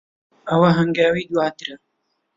ئەوە ھەنگاوی دواترە.